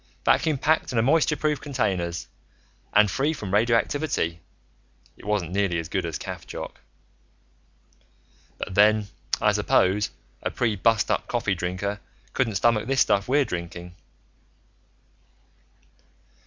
Vacuum packed in moisture proof containers, and free from radioactivity. It wasn't nearly as good as caffchoc. "But then, I suppose, a pre bustup coffee drinker couldn't stomach this stuff we're drinking."